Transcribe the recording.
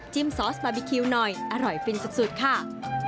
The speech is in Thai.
จิ้มซอสบาบิคิวหน่อยอร่อยฟินสุดค่ะ